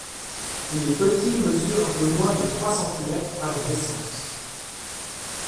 Les petits mesurent un peu moins de trois centimètres à la naissance.